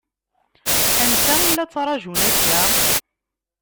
Anta i la ttṛaǧun akka?